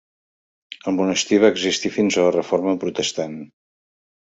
El monestir va existir fins a la Reforma Protestant.